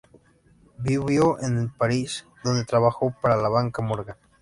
Vivió en París, donde trabajó para la banca Morgan.